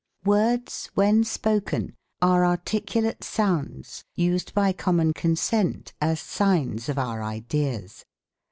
Words (when spoken) are articulate sounds used by common consent as signs of our ideas.